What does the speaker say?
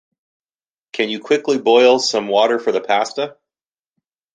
Can you quickly boil some water for the pasta?